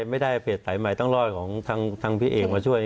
ไม่ได้เฟสไส่ใหม่ตั้งรอดของทางทางพี่เองมาช่วย